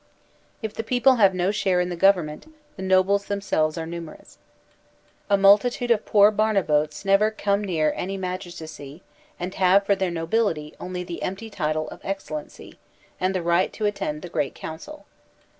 If the people have no share in the govern ment, the nobles themselves are numerous. A multitude of i>oor Barnabotes never come near any magistracy and have for their nobility only the empty title of Excel 7 (97) 9« THE SOCIAL CONTRACT lency and the right to attend the Great Council.